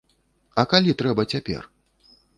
А калі трэба цяпер?